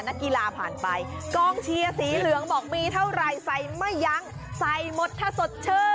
นักกีฬาผ่านไปกองเชียร์สีเหลืองบอกมีเท่าไหร่ใส่ไม่ยั้งใส่หมดถ้าสดชื่น